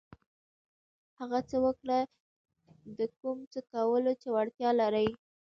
هغه څه وکړه د کوم څه کولو چې وړتیا لرئ.